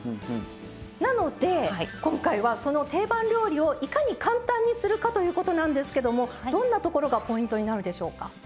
なので今回はその定番料理をいかに簡単にするかということなんですけどもどんなところがポイントになるでしょうか？